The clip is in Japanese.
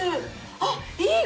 あっいい！